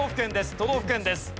都道府県です。